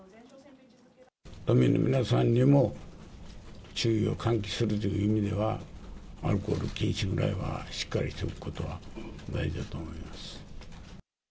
都民の皆さんにも注意を喚起するという意味では、アルコール禁止ぐらいは、しっかりしておくことは大事だと思います。